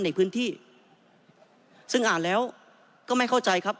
ในพื้นที่ซึ่งอ่านแล้วก็ไม่เข้าใจครับ